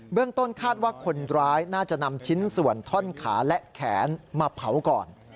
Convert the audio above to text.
เรื่องต้นคาดว่าคนร้ายน่าจะนำชิ้นส่วนท่อนขาและแขนมาเผาก่อน